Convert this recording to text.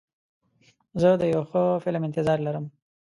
زه د یو ښه فلم انتظار لرم.